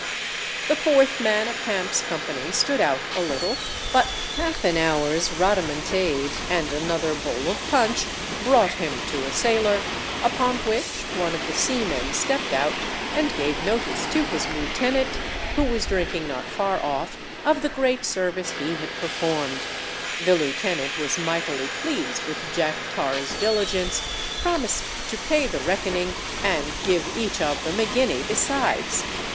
The fourth man of Hamp's company stood out a little, but half an hour's rhodomantade and another bowl of punch brought him to a sailor, upon which one of the seamen stepped out, and gave notice to his lieutenant, who was drinking not far off, of the great service he had performed, the lieutenant was mightily pleased with Jack Tar's diligence, promised to pay the reckoning, and give each of them a guinea besides.